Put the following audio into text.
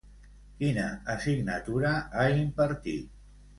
Quina assignatura ha impartit?